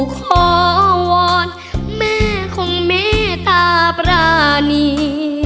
พอวันแม่คงไม่ตาประณี